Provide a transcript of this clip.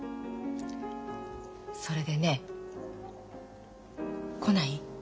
それでね来ない？